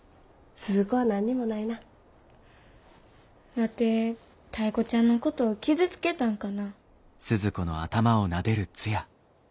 ワテタイ子ちゃんのこと傷つけたんかな。